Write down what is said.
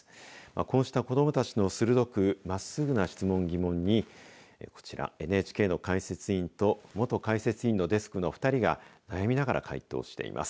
こうした子どもたちの鋭く真っすぐな質問、疑問にこちらＮＨＫの解説委員と元解説員のデスクの２人が悩みながら回答しています。